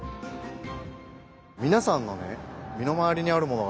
みなさんのねえ身のまわりにあるもの。